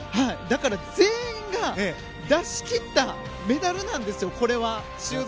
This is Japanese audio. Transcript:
だから、全員が出し切ったメダルなんですよこれは。